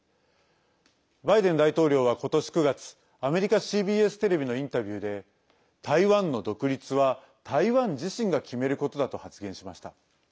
バイデン大統領は今年９月アメリカＣＢＳテレビのインタビューで台湾の独立は台湾自身が決めることだと発言しました。